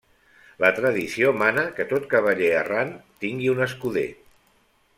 La tradició mana que tot cavaller errant tingui un escuder.